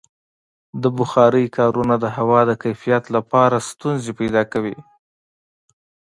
د بخارۍ کارونه د هوا د کیفیت لپاره ستونزې پیدا کوي.